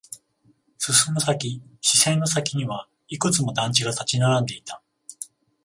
進む先、視線の先にはいくつも団地が立ち並んでいた。